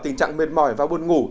tình trạng mệt mỏi và buồn ngủ